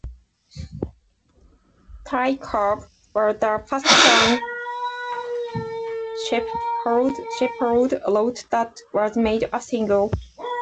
"Ty Cobb" was the first song Shepherd wrote that was made a single.